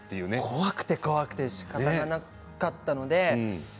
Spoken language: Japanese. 怖くて、怖くてしかたがなかったので。